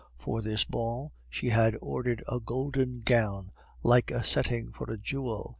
For this ball she had ordered a golden gown like a setting for a jewel.